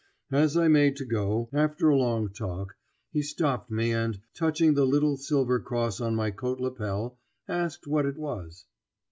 As I made to go, after a long talk, he stopped me and, touching the little silver cross on my coat lapel, asked what it was.